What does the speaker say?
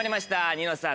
『ニノさん